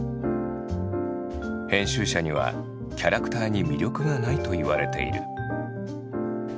編集者には「キャラクターに魅力がない」と言われている。